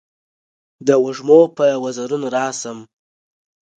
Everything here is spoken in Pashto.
د وږمو په وزرونو راشم